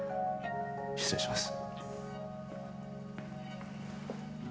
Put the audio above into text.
失礼します。